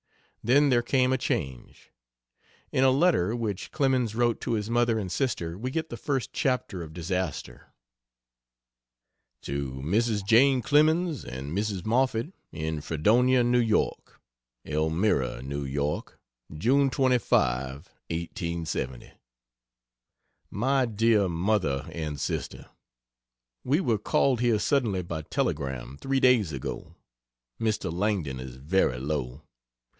Then there came a change. In a letter which Clemens wrote to his mother and sister we get the first chapter of disaster. To Mrs. Jane Clemens, and Mrs. Moffett, in Fredonia, N. Y.: ELMIRA, N. Y. June 25, 1870. MY DEAR MOTHER AND SISTER, We were called here suddenly by telegram, 3 days ago. Mr. Langdon is very low.